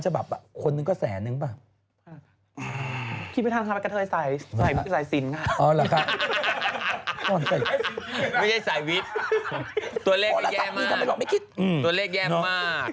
ฉันเหนื่อยแล้วอยากจะทำอะไรก็ทำแล้ว